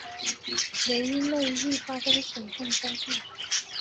流域内易发生水旱灾害。